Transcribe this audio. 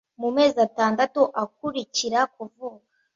mu mezi atandatu akurikira kuvuka